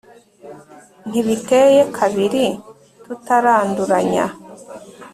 ntibiteye kabiri tutaranduranya